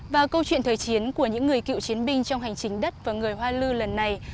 và câu chuyện thời chiến của những người cựu chiến binh trong hành trình đất và người hoa lư lần này